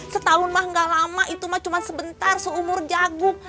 setahun mah gak lama itu mah cuma sebentar seumur jagung